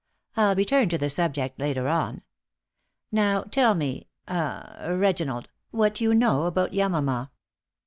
"I'll return to the subject later on. Now tell me ah Reginald, what you know about Yamama.